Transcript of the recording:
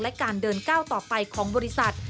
และการเดินก้าวต่อไปของบริษัท